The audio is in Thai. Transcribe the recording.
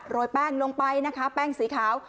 แป้งลงไปนะคะแป้งสีขาว